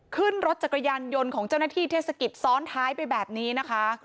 ขึ้นรถจักรยานยนต์ของเจ้าหน้าที่เทศกิจซ้อนท้ายไปแบบนี้นะคะ